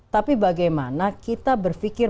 tapi bagaimana kita berpikir